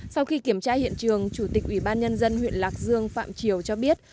sau khi kiểm tra hiện trường chủ tịch ủy ban nhân dân huyện lạc dương phạm triều cho biết